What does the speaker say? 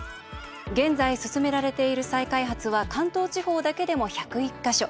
現在、進められている再開発は関東地方だけでも１０１か所。